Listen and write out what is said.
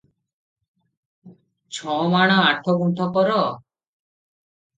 ଛ ଅମାଣ ଆଠଗୁଣ୍ଠ କ'ର?